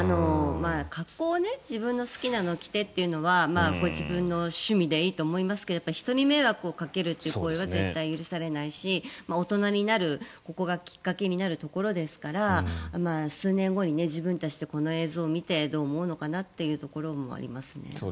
格好は自分の好きなのを着てというのは自分の趣味でいいと思いますが人に迷惑をかけるという行為は絶対に許されないし大人になる、ここがきっかけになるところですから数年後に自分たちでこの映像を見てどう思うのかなというところもありますね。